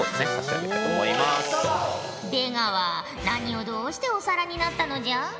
何をどうしておさらになったのじゃ。